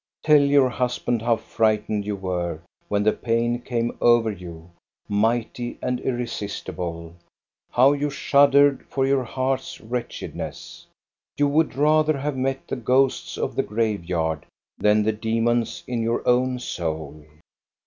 Tell your husband how frightened you were when the pain came over you, might>^ and irresistible, how you shuddered for your heart's wretchedness. You would rather have met the ghosts of the graveyard than the demons in your own soul.